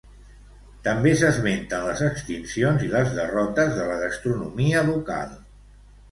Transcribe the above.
També s'esmenten les extincions i les derrotes de la gastronomia local.